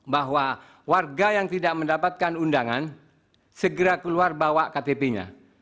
bahwa warga yang tidak mendapatkan undangan segera keluar bawa ktp nya